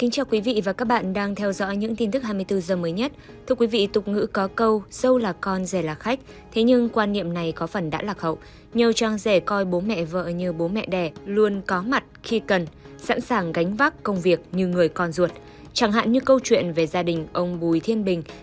các bạn hãy đăng ký kênh để ủng hộ kênh của chúng mình nhé